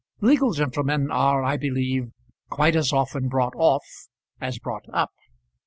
Legal gentlemen are, I believe, quite as often bought off as bought up.